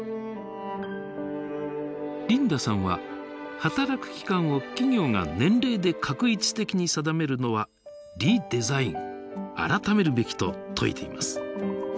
リンダさんは働く期間を企業が年齢で画一的に定めるのはリデザイン改めるべきと説いています。